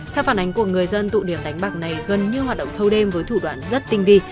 theo phản ánh của người dân tụ điểm đánh bạc này gần như hoạt động thâu đêm với thủ đoạn rất tinh vi